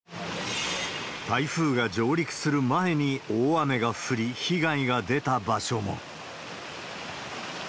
台風が上陸する前に大雨が降り、被害が出た場所も。